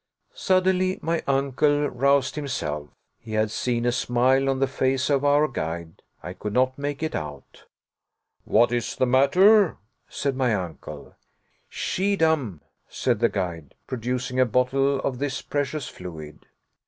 Suddenly my uncle roused himself. He had seen a smile on the face of our guide. I could not make it out. "What is the matter?" said my uncle. "Schiedam," said the guide, producing a bottle of this precious fluid.